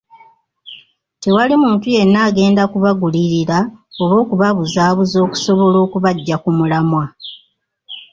Tewali muntu yenna agenda kubagulirira oba okubabuzaabuza okusobola okubaggya ku mulamwa.